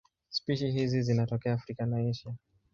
Spishi hizi zinatokea Afrika na Asia.